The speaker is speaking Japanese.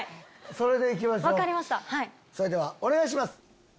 それではお願いします。